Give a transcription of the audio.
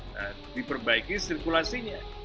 nah diperbaiki sirkulasinya